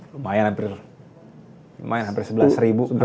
lumayan hampir sebelas ribu